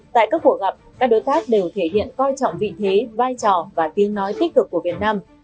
tại các cuộc gặp các đối tác đều thể hiện coi trọng vị thế vai trò và tiếng nói tích cực của việt nam